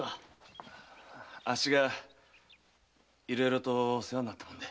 あっしがいろいろと世話になったもんで。